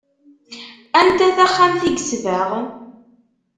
Anta taxxamt i yesbeɣ?